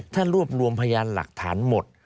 ถ้ารวบรวมพยานหลักฐานหมด